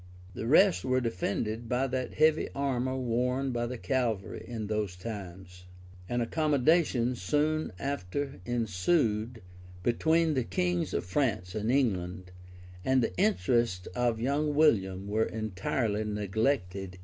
The rest were defended by that heavy armor worn by the cavalry in those times.[] An accommodation soon after ensued between the kings of France and England, and the interests of young William were entirely neglected in it.